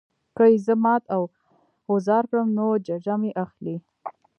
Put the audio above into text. که یې زه مات او غوځار کړم نو ججه مه اخلئ.